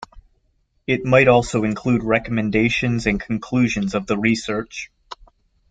It might also include recommendations and conclusions of the research.